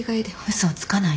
嘘をつかないで。